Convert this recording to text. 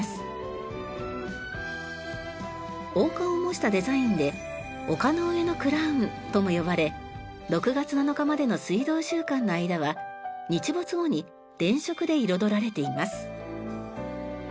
王冠を模したデザインで「丘の上のクラウン」とも呼ばれ６月７日までの水道週間の間は日没後に電飾で彩られています。